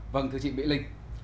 vâng thưa chị mỹ linh